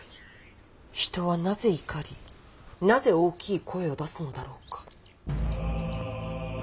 人はなぜ怒りなぜ大きい声を出すのだろうか。